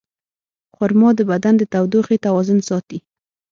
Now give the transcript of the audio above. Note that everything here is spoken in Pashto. خرما د بدن د تودوخې توازن ساتي.